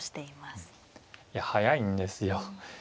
いや速いんですよ。